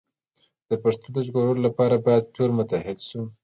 د پښتو د ژغورلو لپاره باید ټول متحد شو.